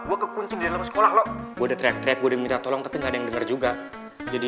gue kekuncian sekolah lo udah teriak teriak gue minta tolong tapi nggak denger juga jadi